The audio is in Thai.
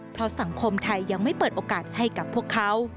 เพราะสังคมไทยยังไม่เปิดโอกาสให้กับพวกเขา